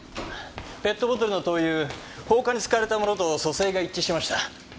ペットボトルの灯油放火に使われたものと組成が一致しました。